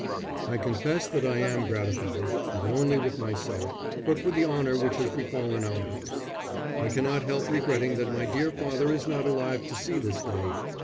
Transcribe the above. I confess that I am gratified, not only for myself, but for the honour which has befallen our house. I cannot help regretting that my dear father is not alive to see this day.